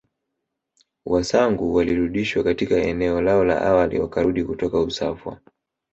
Wasangu walirudishwa katika eneo lao la awali wakarudi kutoka Usafwa